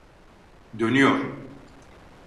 Dönüyor!